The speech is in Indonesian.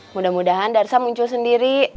mudah mudahan darsa muncul sendiri